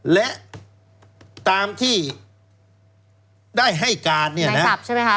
และตามที่ได้ให้การนายศัพท์ใช่ไหมคะ